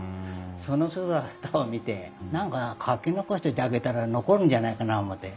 その姿を見て何か描き残しといてあげたら残るんじゃないかな思て。